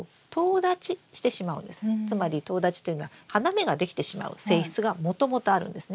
つまりとう立ちというのは花芽ができてしまう性質がもともとあるんですね。